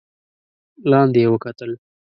لاندې يې وکتل.